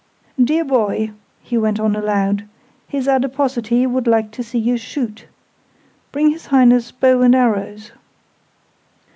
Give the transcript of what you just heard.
Dear boy," he went on aloud, "his Adiposity would like to see you shoot. Bring his Highness' bow and arrows!"